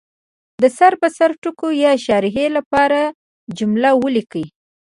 د سر په سر ټکو یا شارحې لپاره جمله ولیکي.